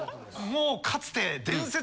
もうかつて。